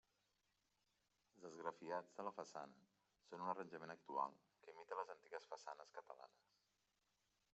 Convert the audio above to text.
Els esgrafiats de la façana són un arranjament actual que imita les antigues façanes catalanes.